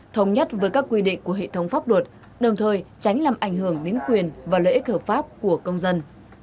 thống nhất với các quy định của hệ thống pháp luật đồng thời tránh làm ảnh hưởng đến quyền và lợi ích hợp pháp của công dân